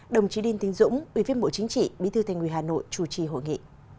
đồng chí đinh tính dũng ubnd bí thư thành quỳ hà nội chủ trì hội nghị